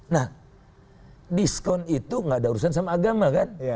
nah diskon itu gak ada urusan sama agama kan